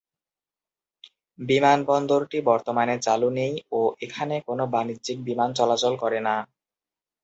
বিমানবন্দরটি বর্তমানে চালু নেই ও এখানে কোন বাণিজ্যিক বিমান চলাচল করে না।